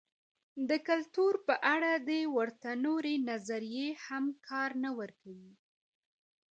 د کلتور په اړه دې ته ورته نورې نظریې هم کار نه ورکوي.